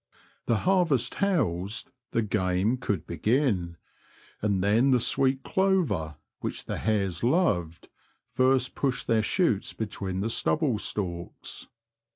The harvest housed the game could begin, and then the sweet clover, which the hares loved, first pushed their shoots between the stubble stalks.